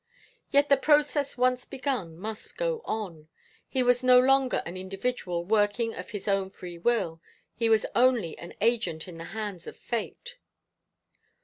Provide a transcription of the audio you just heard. Yet the process once begun must go on. He was no longer an individual, working of his own free will; he was only an agent in the hands of Fate.